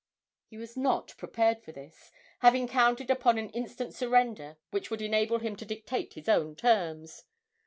He was not prepared for this, having counted upon an instant surrender which would enable him to dictate his own terms.